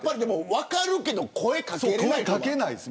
分かるけど声掛けられない。